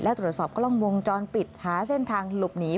และตรวจสอบกล้องวงจรปิดหาเส้นทางหลบหนี